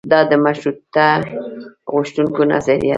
دا د مشروطیه غوښتونکیو نظریه وه.